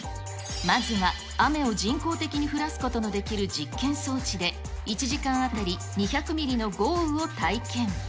まずは、雨を人工的に降らすことのできる実験装置で、１時間当たり２００ミリの豪雨を体験。